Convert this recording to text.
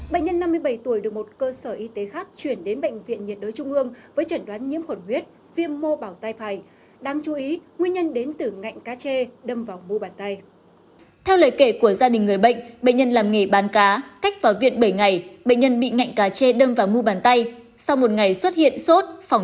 bệnh nhân năm mươi bảy tuổi được một cơ sở y tế khác chuyển đến bệnh viện nhiệt đới trung ương với chẩn đoán nhiễm khuẩn huyết viêm mô bảo tai phải